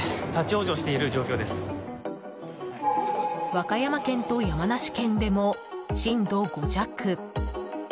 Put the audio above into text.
和歌山県と山梨県でも震度５弱。